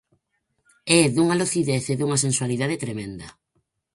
É dunha lucidez e dunha sensualidade tremenda.